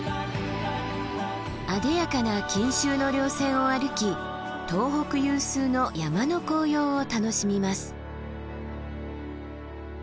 あでやかな錦繍の稜線を歩き東北有数の山の紅葉を楽しみます。